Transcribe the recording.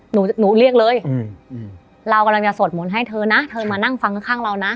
หนูหนูเรียกเลยอืมเรากำลังจะสวดมนต์ให้เธอนะเธอมานั่งฟังข้างเรานะ